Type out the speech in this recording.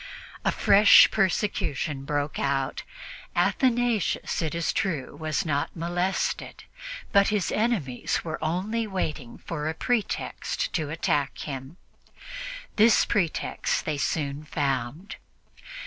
A fresh persecution broke out. Athanasius, it is true, was not molested, but his enemies were only waiting for a pretext to attack him. This pretext they soon found.